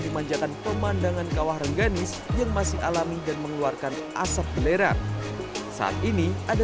dimanjakan pemandangan kawah rengganis yang masih alami dan mengeluarkan asap belerang saat ini ada